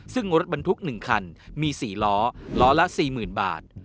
ซึ่งงฤทธิ์บรรทุกหนึ่งคันมี๔ล้อล้อละ๔๐๐๐๐บาท